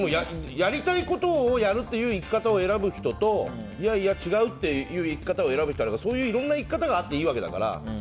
やりたいことをやるっていう生き方を選ぶ人といやいや違うっていう生き方を選ぶとかそういういろんな生き方があっていいわけだから。